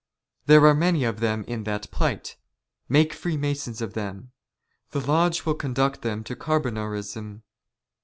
There are many of them in that plight. Make "Freemasons of them. The lodge will conduct them to Car " bonarism.